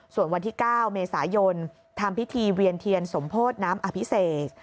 ส่วนวันที่๙เมษายนทำพิธีเวียนเทียนสมโพธิน้ำอภิเษก